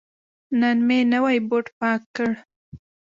نن مې نوی بوټ پاک کړ.